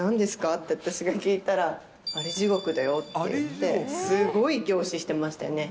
って、私が聞いたら、アリジゴクだよって言って、すごい凝視してましたよね。